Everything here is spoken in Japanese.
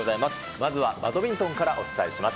まずはバドミントンからお伝えします。